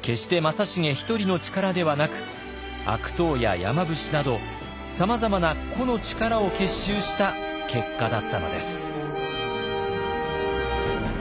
決して正成１人の力ではなく悪党や山伏などさまざまな個の力を結集した結果だったのです。